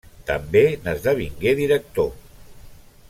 També n'esdevingué director.